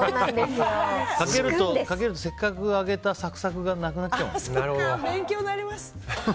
かけるとせっかく揚げたサクサクがなくなっちゃうんですよね。